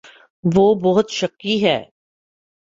وہ بہت شکی ہے